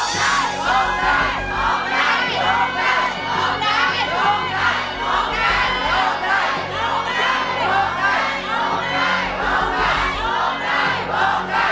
โลกใจโลกใจโลกใจ